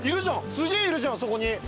すげえいるじゃんそこに。